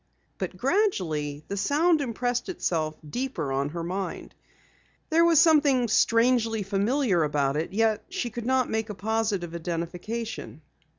But gradually, the sound impressed itself deeper on her mind. There was something strangely familiar about it, yet she could not make a positive identification.